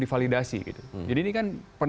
divalidasi jadi ini kan